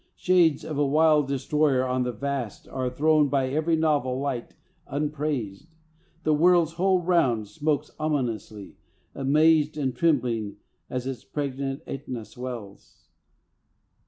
Shades of a wild Destroyer on the vast Are thrown by every novel light upraised. The world's whole round smokes ominously, amazed And trembling as its pregnant AEtna swells.